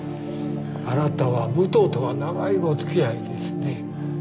あなたは武藤とは長いお付き合いですね。